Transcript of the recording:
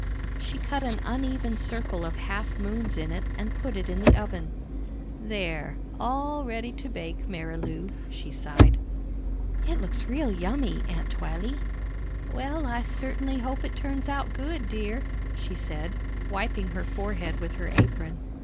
She cut an uneven circle of half moons in it and put it in the oven. "There all ready to bake, Marilou," she sighed. "It looks real yummy, Aunt Twylee." "Well, I certainly hope it turns out good, dear," she said, wiping her forehead with her apron.